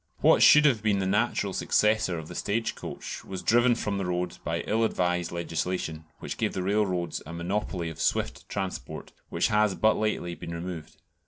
What should have been the natural successor of the stage coach was driven from the road by ill advised legislation, which gave the railroads a monopoly of swift transport, which has but lately been removed.